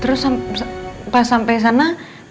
terus pas sampe sana